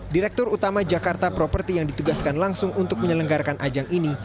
direktur utama jakarta property yang ditugaskan langsung untuk menyelenggarakan ajang ini